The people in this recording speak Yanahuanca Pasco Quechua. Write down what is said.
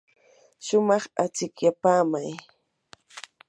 shumaq achikyapaamay.